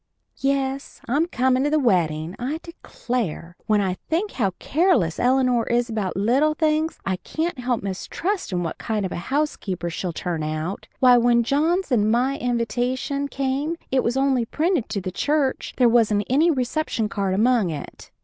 Yes, I'm comin' to the weddin' I declare, when I think how careless Eleanor is about little things I can't help mistrusting what kind of a housekeeper she'll turn out. Why, when John's and my invitation came it was only printed to the church there wasn't any reception card among it.